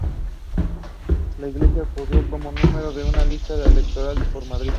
Iglesias concurrió como número uno de la lista electoral por Madrid.